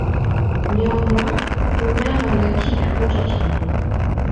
Néanmoins Omer en acquit du contentement.